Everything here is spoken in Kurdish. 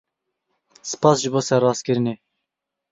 Spas ji bo serrastkirinê.